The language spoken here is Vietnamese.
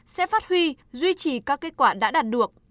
sẽ phát huy duy trì các kết quả đã đạt được